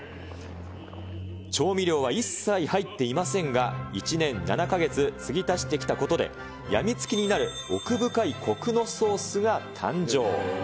調味料は一切入っていませんが、１年７か月、継ぎ足してきたことで、病みつきになる奥深いこくのソースが誕生。